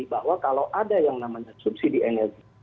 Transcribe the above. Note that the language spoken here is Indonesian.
bahwa kalau ada yang namanya subsidi energi